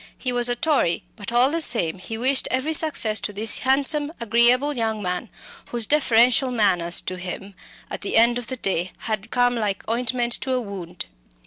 He was a Tory; but all the same he wished every success to this handsome, agreeable young man, whose deferential manners to him at the end of the day had come like ointment to a wound.